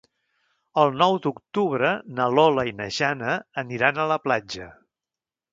El nou d'octubre na Lola i na Jana aniran a la platja.